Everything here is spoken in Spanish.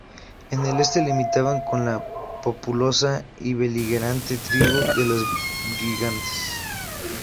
En el este limitaban con la populosa y beligerante tribu de los Brigantes.